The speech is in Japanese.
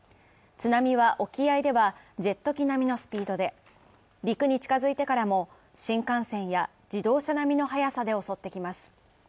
津波は沖合ではジェット機並みのスピードで陸に近づいてからも、新幹線や自動車並みの速さで襲ってきます。